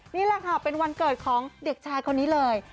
นี่แหละค่ะเป็นวันเกิดของเด็กชายคนนี้เลย